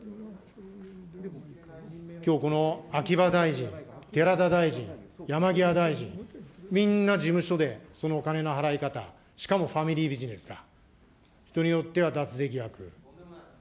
きょうこの秋葉大臣、寺田大臣、山際大臣、みんな事務所でそのお金の払い方、しかもファミリービジネスが、人によっては脱税疑惑。